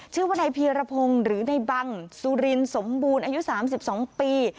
ชื่อว่านายพีรพงศ์หรือในบังสุรินสมบูรณ์อายุ๓๒ปี